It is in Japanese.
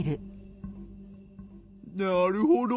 なるほど。